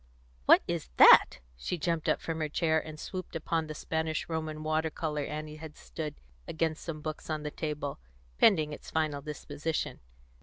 What is that?" She jumped from her chair, and swooped upon the Spanish Roman water colour Annie had stood against some books on the table, pending its final disposition.